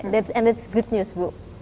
dan itu berita baik bu